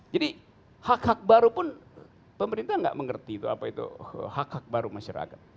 jadi hak hak baru pun pemerintah tidak mengerti itu apa itu hak hak baru masyarakat